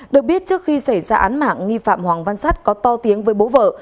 được biết trước khi xảy ra án mạng nghi phạm hoàng văn sắt có to tiếng với bố vợ